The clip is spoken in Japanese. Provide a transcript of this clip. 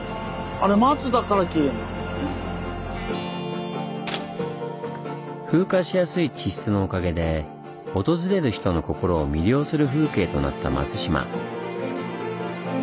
あれ風化しやすい地質のおかげで訪れる人の心を魅了する風景となった松島。